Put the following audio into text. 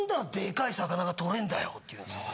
って言うんですよ。